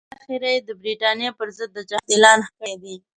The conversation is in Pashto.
بالاخره یې د برټانیې پر ضد د جهاد اعلان هم کړی دی.